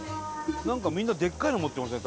なんかみんなでっかいの持ってますね